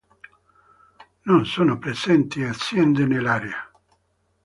Non sono presenti aziende nell'area.